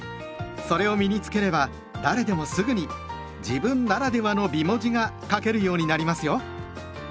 それを身に付ければ誰でもすぐに「自分ならではの美文字」が書けるようになりますよ。